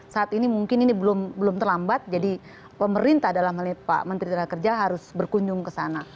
saat ini mungkin ini belum terlambat jadi pemerintah dalam hal ini pak menteri tenaga kerja harus berkunjung ke sana